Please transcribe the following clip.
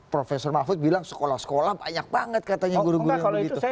profesor mahfuz bilang sekolah sekolah banyak banget katanya gitu ya